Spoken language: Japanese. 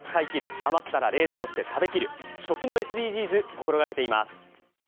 余ったら冷凍して食べきる食のＳＤＧｓ心掛けています。